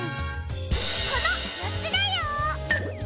このよっつだよ！